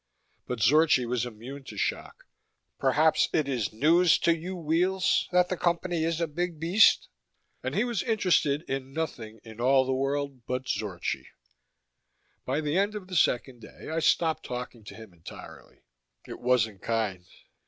But Zorchi was immune to shock "Perhaps it is news to you, Weels, that the Company is a big beast?" and he was interested in nothing in all the world but Zorchi. By the end of the second day I stopped talking to him entirely. It wasn't kind.